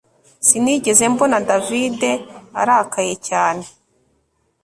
Sinigeze mbona David arakaye cyane